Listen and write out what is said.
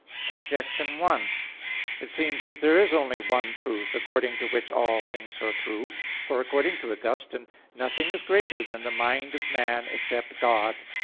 Objection 1: It seems that there is only one truth, according to which all things are true. For according to Augustine (De Trin. xv, 1), "nothing is greater than the mind of man, except God."